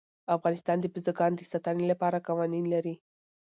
افغانستان د بزګانو د ساتنې لپاره قوانین لري.